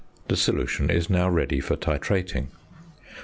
The solution is now ready for titrating.